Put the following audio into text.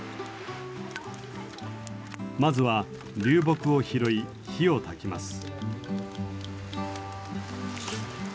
まずは流木を拾い火を焚きます。